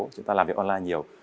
chúng ta làm việc online nhiều